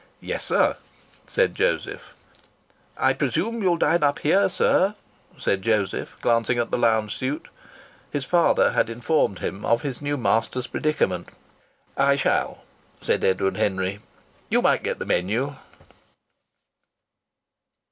"Yes, sir," said Joseph. "I presume you'll dine up here, sir," said Joseph, glancing at the lounge suit. His father had informed him of his new master's predicament. "I shall," said Edward Henry. "You might get the menu."